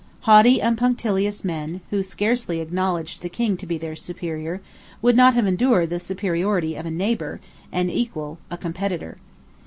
Haughty and punctilious men, who scarcely acknowledged the king to be their superior, would not have endured the superiority of a neighbour, an equal, a competitor.